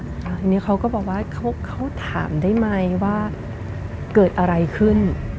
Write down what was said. ทีนี้เขาก็บอกว่าเขาถามได้ไหมว่าเกิดอะไรขึ้น